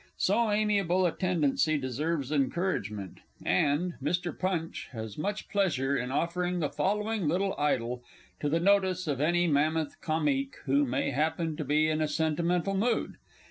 So amiable a tendency deserves encouragement, and Mr. Punch has much pleasure in offering the following little idyl to the notice of any Mammoth Comique who may happen to be in a sentimental mood.